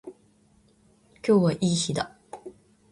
今日はいい日だ。